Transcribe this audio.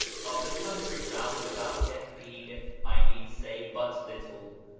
Of the country round about Dihbid I need say but little.